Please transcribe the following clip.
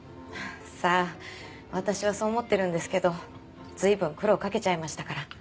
さあ私はそう思ってるんですけど随分苦労かけちゃいましたから。